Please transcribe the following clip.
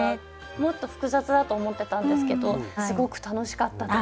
もっと複雑だと思ってたんですけどすごく楽しかったです。